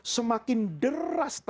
semakin deras tetapnya